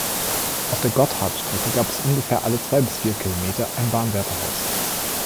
Auf der Gotthardstrecke gab es ungefähr alle zwei bis vier Kilometer ein Bahnwärterhaus.